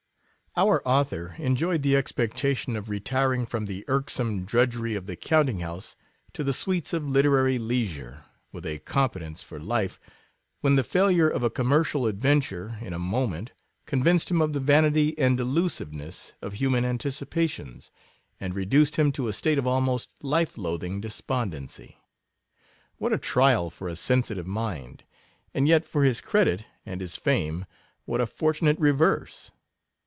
Our author enjoyed the expectation of retiring from the irksome drud gery of the counting house to the sweets of literary leisure, with a competence for life, when the failure of a commercial adventure, in a moment convinced him of the vanity and delusiveness of human anticipations, and re duced him to a state of almost life loathing despondency. What a trial for a sensitive mind — and yet for his credit and his fame what a fortunate reverse